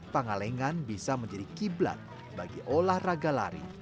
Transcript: pengalingan bisa menjadi qiblat bagi olahraga lari